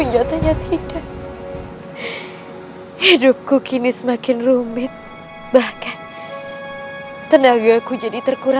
jangan sampai kabur